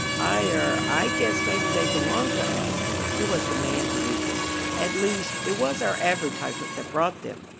"I er I guess maybe they belong to us" it was the man who weakened. "At least, it was our advertisement that brought them.